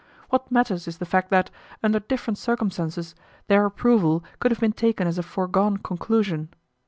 What matters is the fact that, under different circumstances, their approval could have been taken as a foregone conclusion.